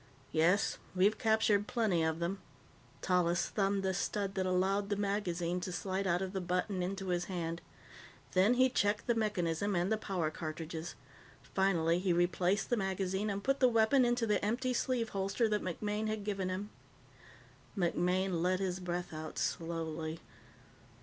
"Yes. We've captured plenty of them." Tallis thumbed the stud that allowed the magazine to slide out of the butt and into his hand. Then he checked the mechanism and the power cartridges. Finally, he replaced the magazine and put the weapon into the empty sleeve holster that MacMaine had given him. MacMaine let his breath out slowly.